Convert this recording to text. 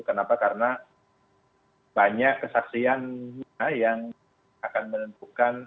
kenapa karena banyak kesaksiannya yang akan menentukan